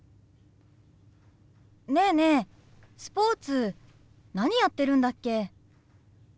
ねえねえスポーツ何やってるんだっけ？